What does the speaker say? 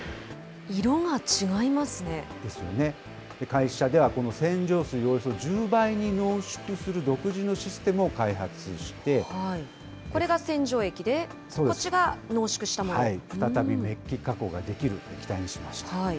会社ではこの洗浄水をおよそ１０倍に濃縮する独自のシステムを開これが洗浄液で、こっちが濃再びめっき加工ができる液体にしました。